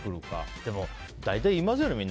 でも、大体言いますよね。